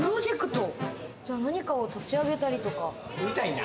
何かを立ち上げたりとか？